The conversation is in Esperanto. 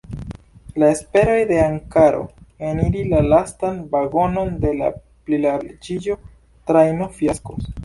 La esperoj de Ankaro eniri la lastan vagonon de la plilarĝiĝo-trajno fiaskos.